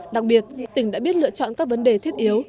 đặc biệt tỉnh đã biết lựa chọn các vấn đề thiết yếu